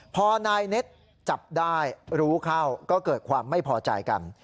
พอนายเน็ตจับได้รู้เข้าก็เกิดความไม่พอใจกัน